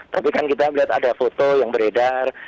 tapi kan kita melihat ada foto yang beredar